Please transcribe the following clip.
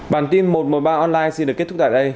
bản tin một trăm một mươi ba online xin được kết thúc tại đây